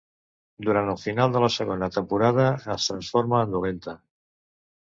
Durant el final de la segona temporada es transforma en dolenta.